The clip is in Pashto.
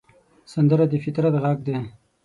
سندره د فطرت غږ دی